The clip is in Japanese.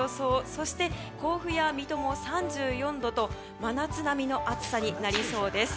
そして甲府や水戸も３４度と真夏並みの暑さになりそうです。